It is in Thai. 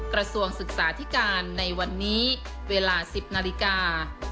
กระทรวงศึกษาธิการในวันนี้เวลา๑๐นาฬิกา